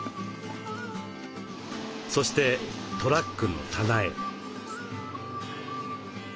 そしてトラックの棚へ。